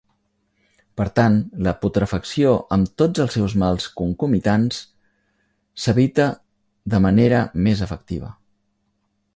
Per tant, la putrefacció amb tots els seus mals concomitants... s'evita de manera més efectiva.